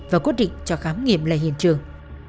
và quyết định cho khám nghiệm lại hiện trường